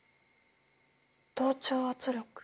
同調圧力。